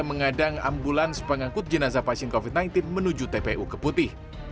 mengadang ambulans pengangkut jenazah pasien covid sembilan belas menuju tpu keputih